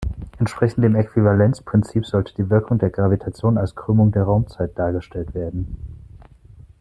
Entsprechend dem Äquivalenzprinzip sollte die Wirkung der Gravitation als Krümmung der Raumzeit dargestellt werden.